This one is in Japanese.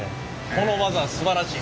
この技はすばらしい。